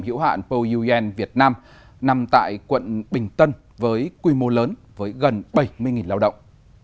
hiểu hạn poyuen việt nam nằm tại quận bình tân với quy mô lớn với gần bảy mươi lao động